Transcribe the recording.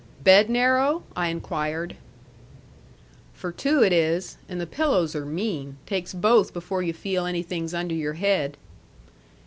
"Bed narrow?" I inquired. "For two it is. And the pillows are mean. Takes both before you feel anything's under your head."